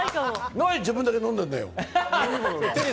何、自分だけ飲んでいるんだよ！